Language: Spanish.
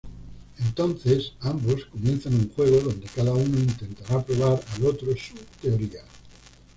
Entonces, ambos comienzan un juego donde cada uno intentara probar al otro su teoría.